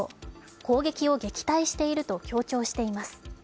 攻撃を撃退していると強調しています。